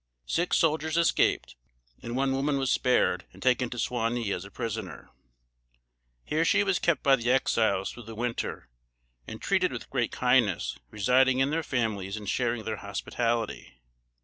Six soldiers escaped, and one woman was spared and taken to Suwanee as a prisoner. Here she was kept by the Exiles through the winter, and treated with great kindness, residing in their families and sharing their hospitality.